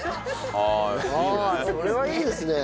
ああそれはいいですね。